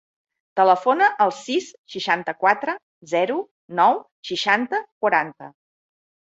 Telefona al sis, seixanta-quatre, zero, nou, seixanta, quaranta.